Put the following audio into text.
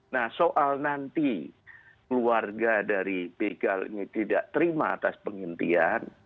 nah soal nanti keluarga dari begal ini tidak terima atas penghentian